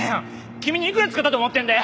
君にいくら使ったと思ってるんだよ！